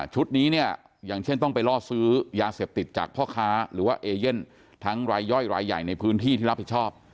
นี้เนี่ยอย่างเช่นต้องไปล่อซื้อยาเสพติดจากพ่อค้าหรือว่าเอเย่นทั้งรายย่อยรายใหญ่ในพื้นที่ที่รับผิดชอบ